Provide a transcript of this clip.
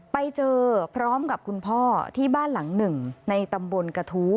ไปเจอพร้อมกับคุณพ่อที่บ้านหลังหนึ่งในตำบลกระทู้